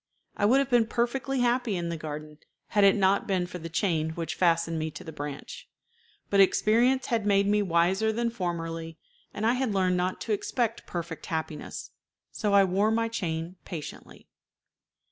I would have been perfectly happy in the garden had it not been for the chain which fastened me to the branch; but experience had made me wiser than formerly, and I had learned not to expect perfect happiness, so I wore my chain patiently.